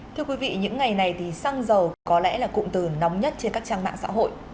thưa quý vị những ngày này thì xăng dầu có lẽ là cụm từ nóng nhất trên các trang mạng xã hội